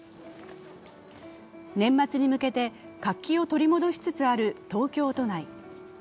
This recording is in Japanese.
年末に向けて活気を取り戻しつつある東京都内。